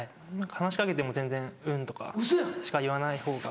話し掛けても全然「うん」とかしか言わないほうが。